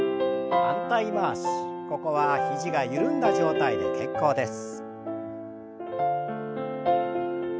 ここは肘が緩んだ状態で結構です。